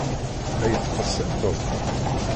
La yettqeṣṣiṛ Tom?